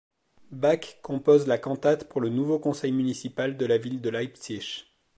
Bach compose la cantate pour le nouveau conseil municipal de la ville de Leipzig.